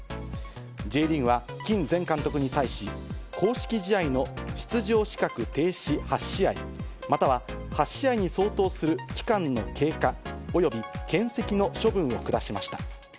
Ｊリーグはキン前監督に対し、公式試合の出場資格停止８試合、または８試合に相当する期間の経過、およびけん責の処分を下しました。